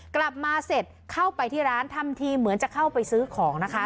กลับมาเสร็จเข้าไปที่ร้านทำทีเหมือนจะเข้าไปซื้อของนะคะ